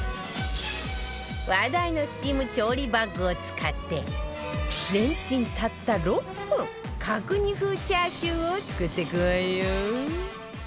話題のスチーム調理バッグを使ってレンチンたった６分角煮風チャーシューを作っていくわよ